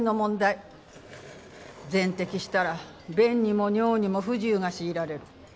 全摘したら便にも尿にも不自由が強いられる。